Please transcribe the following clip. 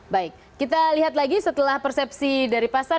baik kita lihat lagi setelah persepsi dari pasar